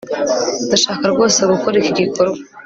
Ndashaka rwose gukora iki gikorwa